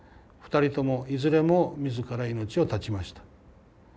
２人ともいずれも自ら命を絶ちました。